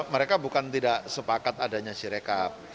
mereka bukan tidak sepakat adanya sirekap